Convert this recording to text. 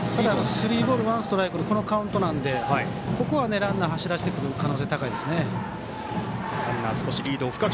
スリーボールワンストライクというこのカウントなのでここはランナー走らせる可能性が高いですね。